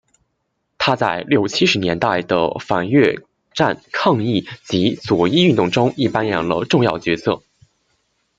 他在六七十年代的反越战抗议及左翼运动中亦扮演了重要角色。